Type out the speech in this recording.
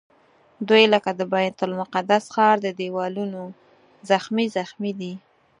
دوی لکه د بیت المقدس ښار د دیوالونو زخمي زخمي دي.